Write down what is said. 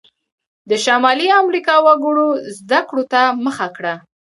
د شمالي امریکا وګړو زده کړو ته مخه کړه.